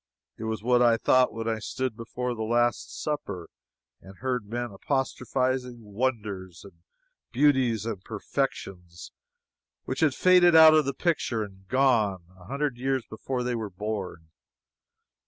It was what I thought when I stood before "The Last Supper" and heard men apostrophizing wonders, and beauties and perfections which had faded out of the picture and gone, a hundred years before they were born.